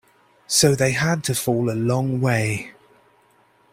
So they had to fall a long way.